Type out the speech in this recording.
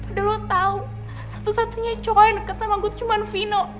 udah lo tau satu satunya coba yang deket sama gue cuma vino